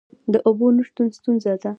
د اوبو نشتون ستونزه ده؟